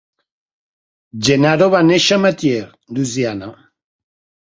Gennaro va néixer a Metairie, Lousiana.